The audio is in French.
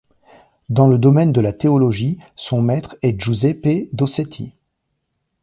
Dans le domaine de la théologie, son maître est Giuseppe Dossetti.